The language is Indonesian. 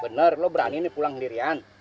bener lo berani ini pulang sendirian